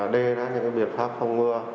đề ra những biện pháp phòng ngừa